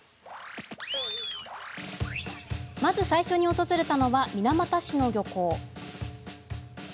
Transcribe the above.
まず最初に訪れたのは水俣市の漁港。